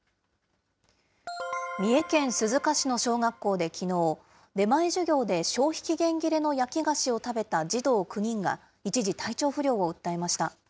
三重県鈴鹿市の小学校できのう、出前授業で消費期限切れの焼き菓子を食べた児童９人が、一時体調不良を訴えました。